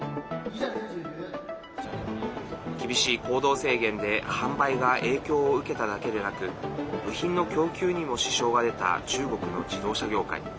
厳しい行動制限で販売が影響を受けただけでなく部品の供給にも支障が出た中国の自動車業界。